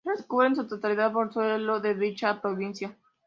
Transcurre en su totalidad por suelo de dicha provincia.